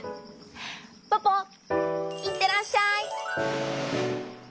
ポポいってらっしゃい！